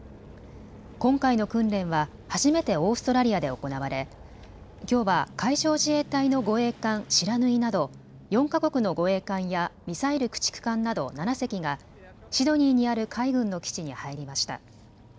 今回の訓練は初めてオーストラリアで行われきょうは海上自衛隊の護衛艦、しらぬいなど４か国の護衛艦やミサイル駆逐艦など７隻がシドニーにある海軍の基地に入りました。